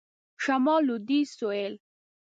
شمال .. لویدیځ .. سوېل ..